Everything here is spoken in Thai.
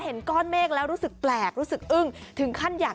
เห็นก้อนเมฆแล้วรู้สึกแปลกรู้สึกอึ้งถึงขั้นอยาก